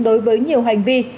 đối với nhiều hành vi